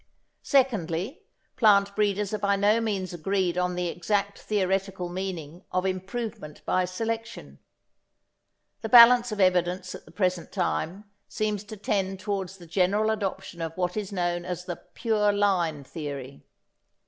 Secondly, plant breeders are by no means agreed on the exact theoretical meaning of improvement by selection. The balance of evidence at the present time seems to tend towards the general adoption of what is known as the pure line theory.